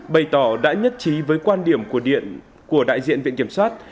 bày tỏ đã nhất trí với quan điểm của đại diện viện kiểm sát